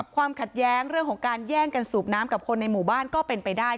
ความขัดแย้งเรื่องของการแย่งกันสูบน้ำกับคนในหมู่บ้านก็เป็นไปได้